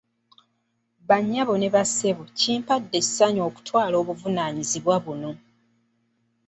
Bannyabo ne bassebo kimpadde ensanyu okutwala obuvunaanyizibwa buno.